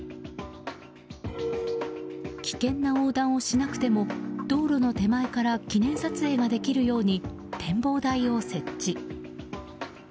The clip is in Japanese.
危険な横断をしなくても道路の手前から記念撮影ができるように展望台を設置。